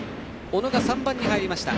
小野が３番に入りました。